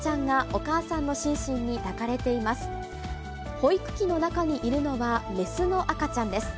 保育器の中にいるのは雌の赤ちゃんです。